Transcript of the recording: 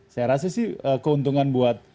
saya rasa sih keuntungan buat